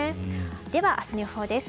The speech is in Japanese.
では、明日の予報です。